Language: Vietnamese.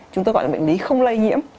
chúng ta gọi là bệnh lý không lây nhiễm